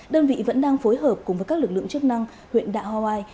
đơn vị vẫn đang phối hợp cùng với các lực lượng chức năng huyện đạo hawaii